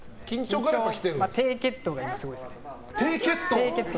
低血糖が今すごいですね。